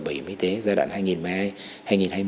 bảo hiểm y tế giai đoạn hai nghìn hai mươi